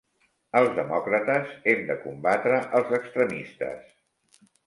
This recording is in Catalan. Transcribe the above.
Els demòcrates hem de combatre els extremistes.